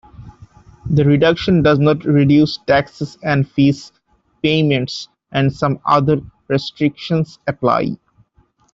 The reduction does not reduce taxes and fees payments, and some other restrictions apply.